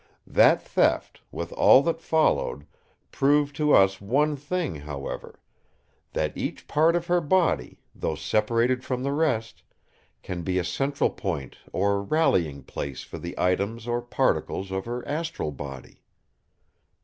"That theft, with all that followed, proved to us one thing, however: that each part of her body, though separated from the rest, can be a central point or rallying place for the items or particles of her astral body.